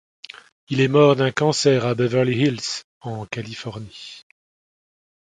Il est mort d'un cancer à Beverly Hills, en Californie.